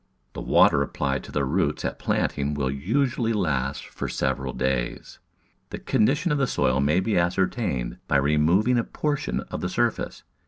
The water applied to the roots at planting will usually last for several days. The condition of the soil may be ascertained by removing a portion of the surface.